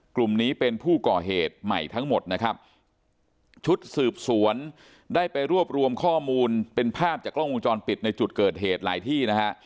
กลุ่มนี้เป็นผู้ก่อเหตุใหม่ทั้งหมดนะครับชุดสืบสวนได้ไปรวบรวมข้อมูลเป็นภาพจากกล้องวงจรปิดในจุดเกิดเหตุหลายที่นะฮะ